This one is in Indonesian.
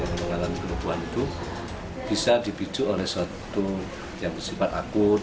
pengalaman kelumpuhan itu bisa dipicu oleh suatu yang bersifat akut